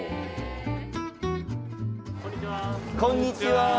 こんにちは。